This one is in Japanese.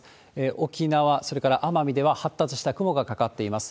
沖縄、それから奄美では発達した雲がかかっています。